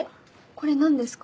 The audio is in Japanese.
これ何ですか？